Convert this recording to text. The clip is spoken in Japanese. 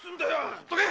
放っとけ！